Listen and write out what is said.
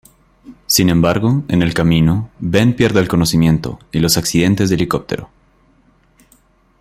Sin embargo, en el camino, Ben pierde el conocimiento y los accidentes de helicóptero.